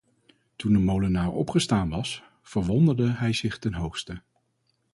Toen de molenaar opgestaan was, verwonderde hij zich ten hoogste.